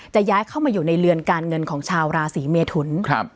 จะย้ายเข้ามาอยู่ในเรือนการเงินของชาวราศีเมทุน